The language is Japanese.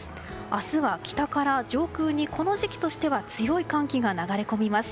明日は北から上空にこの時期としては強い寒気が流れ込みます。